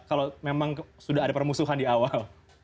kalau memang sudah ada permusuhan di awal